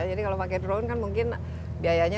jadi kalau pakai drone kan mungkin biayanya